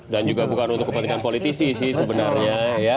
dan juga bukan untuk kepentingan politisi sih sebenarnya